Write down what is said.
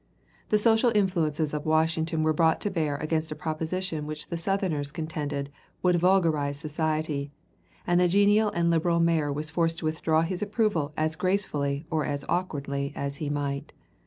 The social influences of Washington were brought to bear against a proposition which the Southerners contended would vulgarize society, and the genial and liberal mayor was forced to withdraw his approval as gracefully or as awkwardly as he might.